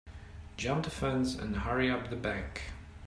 Jump the fence and hurry up the bank.